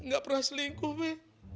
gak pernah selingkuh be